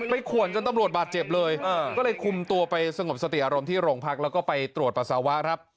ขวนจนตำรวจบาดเจ็บเลยก็เลยคุมตัวไปสงบสติอารมณ์ที่โรงพักแล้วก็ไปตรวจปัสสาวะครับ